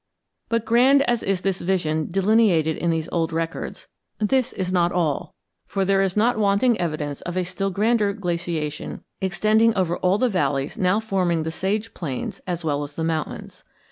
But grand as is this vision delineated in these old records, this is not all; for there is not wanting evidence of a still grander glaciation extending over all the valleys now forming the sage plains as well as the mountains.